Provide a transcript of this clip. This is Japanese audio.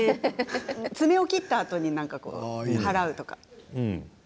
爪を切ったあとに何か払うとか？